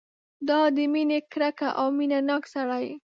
دا د مینې ګرګه او مینه ناک سړی.